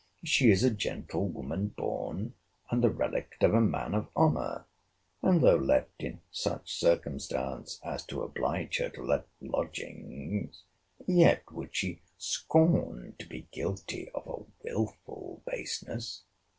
—She is a gentlewoman born, and the relict of a man of honour; and though left in such circumstance as to oblige her to let lodgings, yet would she scorn to be guilty of a wilful baseness.